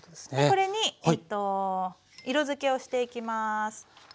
これに色づけをしていきます。